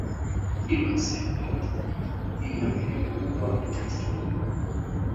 Kilwa ni sehemu ndogo ya Tanzania lakini ina maeneo makubwa ya kihistoria